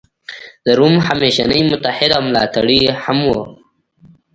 د روم همېشنی متحد او ملاتړی هم و.